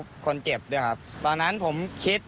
ผมก็เลยนั่งคลิป